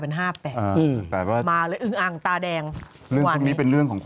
ต้องไปตายป่ะร้อนแพง